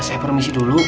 saya permisi dulu